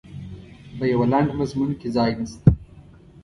په یوه لنډ مضمون کې ځای نسته.